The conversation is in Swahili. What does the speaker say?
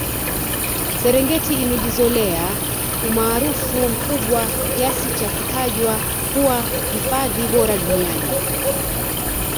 serengeti imejizolea umaarufu mkubwa kiasi cha kutajwa kuwa hifadhi bora duniani